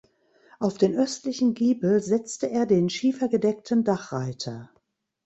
Auf den östlichen Giebel setzte er den schiefergedeckten Dachreiter.